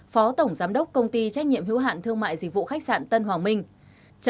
phó tổng giám đốc công ty trách nhiệm hữu hạn thương mại dịch vụ khách sạn tân hoàng minh